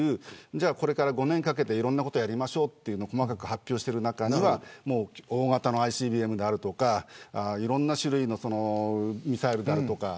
これから５年をかけていろんなことやりましょうと細かく発表した中には大型のＩＣＢＭであるとかいろいろな種類のミサイルであるとか。